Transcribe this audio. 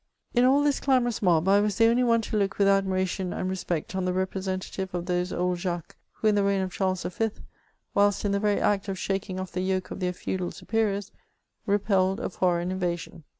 In all this clamorous mob, I was the only one to look with admiration and respect on the representative of those old Jacques^ who in the reign of Charles V., whilst in the very act of shaking off the yoke of their feudal superiors, repelled a foreign invasion.